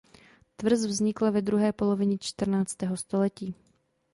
Tvrz vznikla ve druhé polovině čtrnáctého století.